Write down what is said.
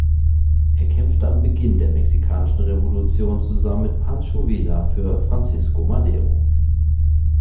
Er kämpfte am Beginn der Mexikanischen Revolution zusammen mit Pancho Villa für Francisco Madero.